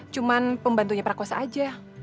cuman pembantunya prakosa aja